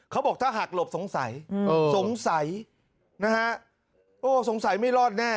เขาบอกถ้าหักหลบสงสัยสงสัยนะฮะโอ้สงสัยไม่รอดแน่